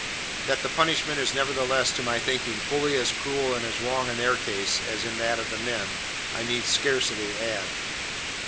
That the punishment is nevertheless, to my thinking, fully as cruel and as wrong in their case, as in that of the men, I need scarcely add.